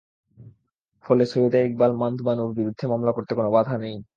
ফলে সৈয়দা ইকবাল মান্দ বানুর বিরুদ্ধে মামলা চলতে কোনো বাধা নেই।